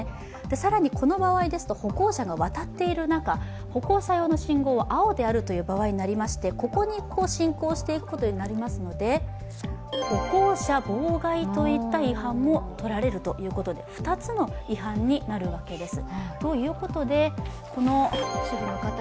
更にこの場合ですと、歩行者が渡っている中、歩行者用の信号は青である場合になりまして、ここに進行していくことになりますので歩行者妨害といった違反も取られるということで２つの違反になるわけです。